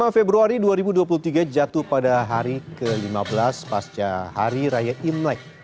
lima februari dua ribu dua puluh tiga jatuh pada hari ke lima belas pasca hari raya imlek